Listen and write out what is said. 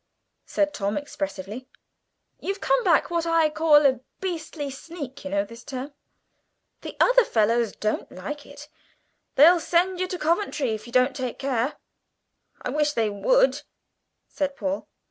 said Tom expressively. "You've come back what I call a beastly sneak, you know, this term. The other fellows don't like it; they'll send you to Coventry unless you take care." "I wish they would," said Paul.